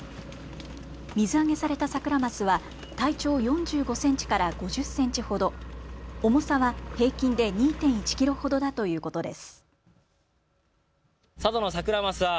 水揚げされたサクラマスは体長４５センチから５０センチほど、重さは平均で２．１キロほどだということです。